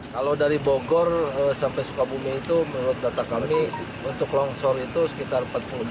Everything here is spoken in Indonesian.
kalau dari bogor sampai sukabumi itu menurut data kami untuk longsor itu sekitar empat puluh delapan